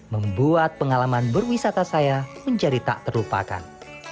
membuat pengalaman berwisata saya menjadi tak terlupakan